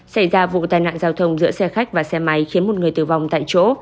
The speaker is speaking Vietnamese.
xảy ra vụ tai nạn giao thông giữa xe khách và xe máy khiến một người tử vong tại chỗ